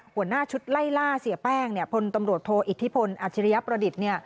หัวหน้าชุดไล่ล่าเสียแป้งเนี่ยพลตำรวจโทอิทธิพลอัจฉริยประดิษฐ์เนี่ย